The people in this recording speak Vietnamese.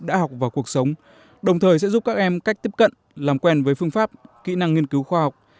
đã học vào cuộc sống đồng thời sẽ giúp các em cách tiếp cận làm quen với phương pháp kỹ năng nghiên cứu khoa học